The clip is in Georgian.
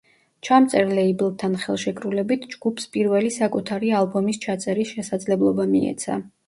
ჩამწერ ლეიბლთან ხელშეკრულებით ჯგუფს პირველი საკუთარი ალბომის ჩაწერის შესაძლებლობა მიეცა.